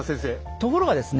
ところがですね